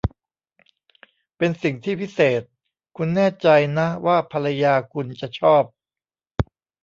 เป็นสิ่งที่พิเศษ คุณแน่ใจนะว่าภรรยาคุณจะชอบ